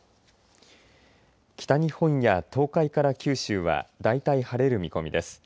北日本や東海から九州は大体、晴れる見込みです。